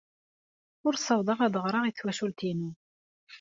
Ur ssawḍeɣ ad ɣreɣ i twacult-inu.